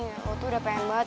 waktu udah pengen banget